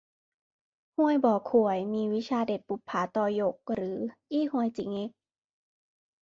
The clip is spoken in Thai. ฮวยบ่อข่วยมีวิชาเด็ดบุปผาต่อหยก หรืออี้ฮวยจิเง็ก